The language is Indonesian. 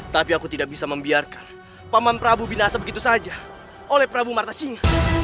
tapi aku tidak bisa membiarkan paman prabu binasa begitu saja oleh prabu marta singa